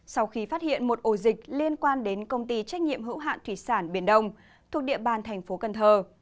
sau khi phát hiện một ổ dịch liên quan đến công ty trách nhiệm hữu hạn thủy sản biển đông thuộc địa bàn thành phố cần thơ